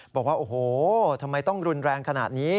บอกว่าโอ้โหทำไมต้องรุนแรงขนาดนี้